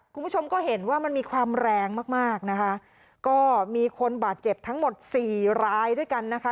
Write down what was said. คุณผู้ชมก็เห็นว่ามันมีความแรงมากมากนะคะก็มีคนบาดเจ็บทั้งหมดสี่รายด้วยกันนะคะ